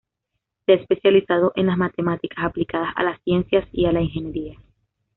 Se ha especializado en las matemáticas aplicadas a las ciencias y a la ingeniería.